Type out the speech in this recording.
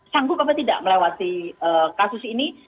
sanggup apa tidak melewati kasus ini